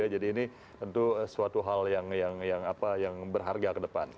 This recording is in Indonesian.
jadi ini tentu suatu hal yang berharga ke depan